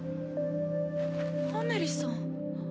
アメリさん？